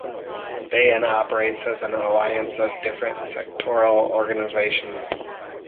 Bayan operates as an alliance of different sectoral organizations.